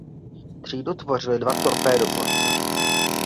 Třídu tvořily dva torpédoborce.